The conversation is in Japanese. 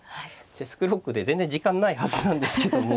チェスクロックで全然時間ないはずなんですけども。